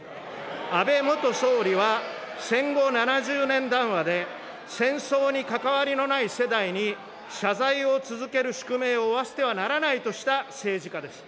安倍元総理は、戦後７０年談話で、戦争に関わりのない世代に、謝罪を続ける宿命を負わせてはならないとした政治家です。